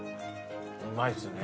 うまいですね。